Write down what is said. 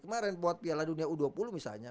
kemarin buat piala dunia u dua puluh misalnya